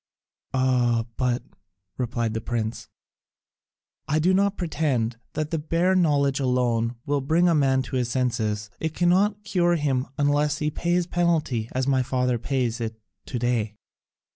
"Ah, but," replied the prince, "I do not pretend that the bare knowledge alone will bring a man to his senses, it cannot cure him unless he pays the penalty as my father pays it to day."